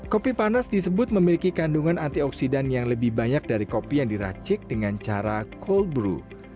kopi panas disebut memiliki kandungan antioksidan yang lebih banyak dari kopi yang diracik dengan cara cold brue